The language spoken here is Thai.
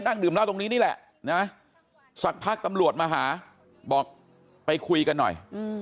ดื่มเหล้าตรงนี้นี่แหละนะสักพักตำรวจมาหาบอกไปคุยกันหน่อย